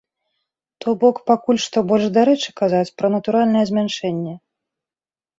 То бок пакуль што больш дарэчы казаць пра натуральнае змяншэнне.